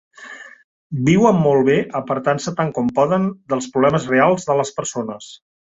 Viuen molt bé apartant-se tant com poden dels problemes reals de les persones.